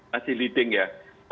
masih leading ya